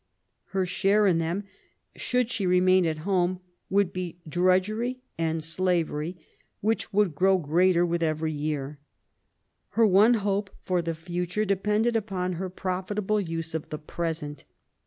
Her share in them, should she remain at home, would be drudgery and slavery, which would grow greater with every year. Her one hope for the future depended upon her pro fitable use of the present.